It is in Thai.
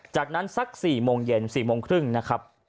จากนั้นสัก๔โมงเย็น๔โมงครึ่งนะครับ